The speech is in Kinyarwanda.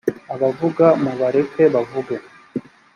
abavuga mubareke bavuge